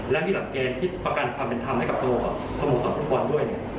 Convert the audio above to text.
และมีหลักเกณฑ์ที่ประกันคำเป็นธรรมให้กับสมุทรสมุทรสมุทรดบอลด้วย